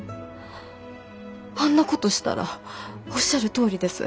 あんなことしたらおっしゃるとおりです